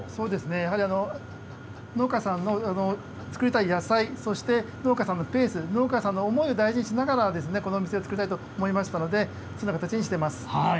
やはり農家さんの作りたい野菜、そして農家さんのペース、農家さんの思いを大事にしながらこのお店を作りたいと思いましたのでそんな形にしています。